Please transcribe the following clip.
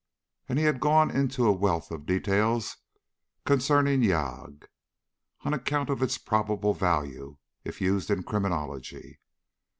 And he had gone into a wealth of detail concerning yagué, on account of its probable value if used in criminology.